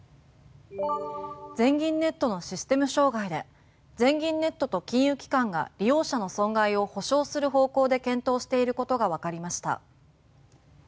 全銀ネットのシステム障害で全銀ネットと金融機関が利用者の損害を補償する方向で検討していることがわかりました。